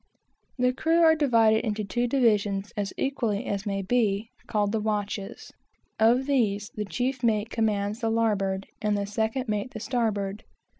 The crew are divided into two divisions, as equally as may be, called the watches. Of these the chief mate commands the larboard, and the second mate the starboard.